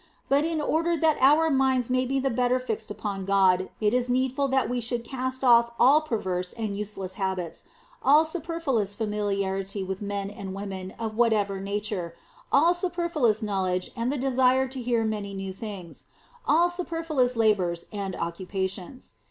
But in order that our minds may be the better fixed upon God it is needful that we should cast off all perverse and useless habits, all super fluous familiarity with men and women of whatsoever nature, all superfluous knowledge and the desire to hear many new things, all superfluous labours and occupations.